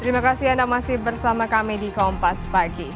terima kasih anda masih bersama kami di kompas pagi